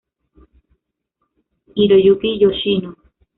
Hiroyuki Yoshino